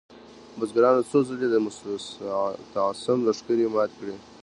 بزګرانو څو ځلې د مستعصم لښکرې ماتې کړې.